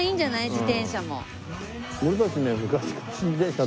自転車も。